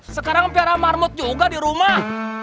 sekarang piara marmut juga di rumah